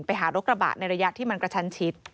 ไปหารถกระบะในระยะที่มันกระชันชิด